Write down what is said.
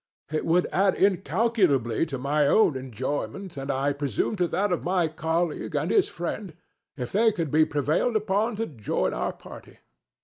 It would add incalculably to my own enjoyment, and I presume to that of my colleague and his friend, if they could be prevailed upon to join our party."